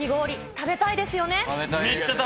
食べたいですよ。